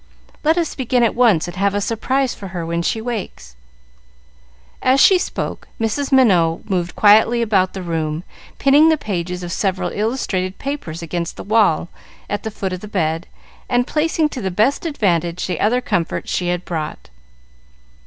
Let us begin at once, and have a surprise for her when she wakes." As she spoke, Mrs. Minot moved quietly about the room, pinning the pages of several illustrated papers against the wall at the foot of the bed, and placing to the best advantage the other comforts she had brought.